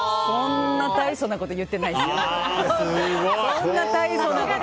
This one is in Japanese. そんな大層なこと言ってないですよ。